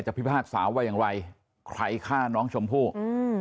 พิพากษาว่าอย่างไรใครฆ่าน้องชมพู่อืม